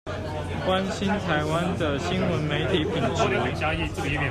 關心台灣的新聞媒體品質